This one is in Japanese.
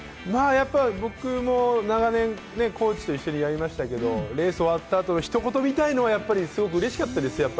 僕も長年コーチと一緒にやりましたけど、レース終わった後の一言はすごくうれしかったですよ